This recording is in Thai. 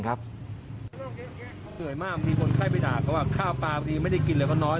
เขาเหนื่อยมากมีคนไข้ไปด่าเขาว่าข้าวปลาพอดีไม่ได้กินเลยเขาน้อย